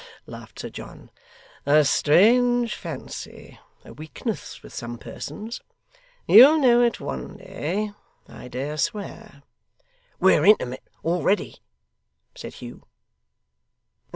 laughed Sir John. 'A strange fancy a weakness with some persons you'll know it one day, I dare swear.' 'We're intimate already,' said Hugh.